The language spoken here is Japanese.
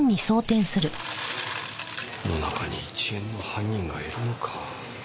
この中に１円の犯人がいるのか。